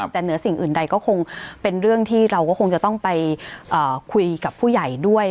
แต่เหนือสิ่งอื่นใดก็คงเป็นเรื่องที่เราก็คงจะต้องไปคุยกับผู้ใหญ่ด้วย